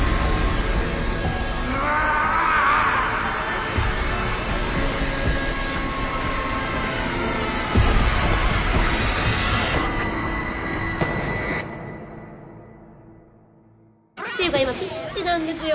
ああーーっ！っていうか今ピンチなんですよ。